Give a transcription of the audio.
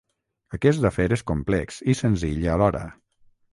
Aquest afer és complex i senzill alhora.